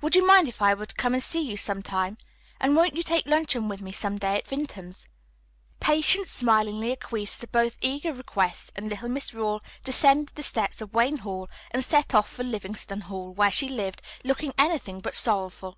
Would you mind if I were to come and see you some time, and won't you take luncheon with me some day at Vinton's?" Patience smilingly acquiesced to both eager requests, and little Miss Rawle descended the steps of Wayne Hall and set off for Livingston Hall, where she lived, looking anything but sorrowful.